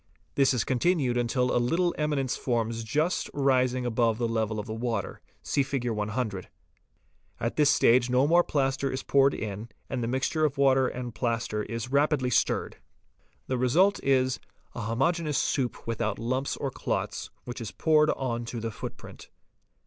This is continued until a little eminence forms just rising above the level of the water; see Hig. 100. At this stage no more plaster is poured in, and the mixture of water and plaster is rapidly stirred. The result is, a homogeneous soup without lumps or clots, which is poured on to the footprint.